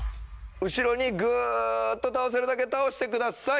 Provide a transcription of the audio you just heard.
後ろにグーッと倒せるだけ倒してください。